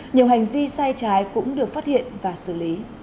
nhiều hành vi sai trái cũng được phát hiện và xử lý